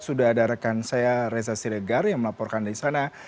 sudah ada rekan saya reza siregar yang melaporkan dari sana